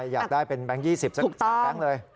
อยากได้เป็นแบงค์๒๐สัก๓แบงค์เลย